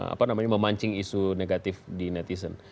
apa namanya memancing isu negatif di netizen